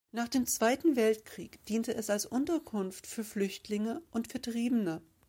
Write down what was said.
Nach dem Zweiten Weltkrieg diente es als Unterkunft für Flüchtlinge und Vertriebene.